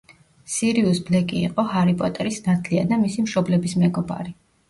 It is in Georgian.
სირიუს ბლეკი იყო ჰარი პოტერის ნათლია და მისი მშობლების მეგობარი.